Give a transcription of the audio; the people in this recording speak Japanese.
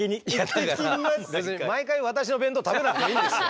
別に毎回私の弁当食べなくていいんですよ。